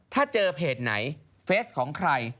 ถ้าเจอเพจไหนเฟสของใคร